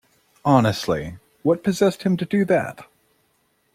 Honestly! What possessed him to do that?